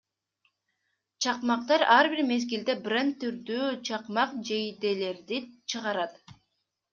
Чакмактар Ар бир мезгилде бренд түрдүү чакмак жейделерди чыгарат.